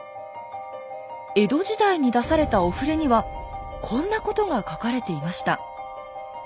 江戸時代に出されたお触れにはこんなことが書かれていました。